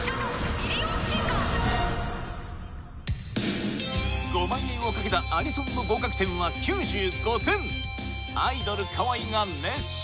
ミリオンシンガー・５万円を懸けたアニソンの合格点は９５点アイドル河合が熱唱！